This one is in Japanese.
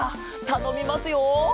たのみますよ。